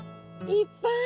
いっぱい！